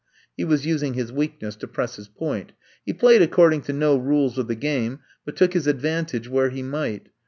He was using his weakness to press his point. He played according to no rules of the game, but took his advantage where he might.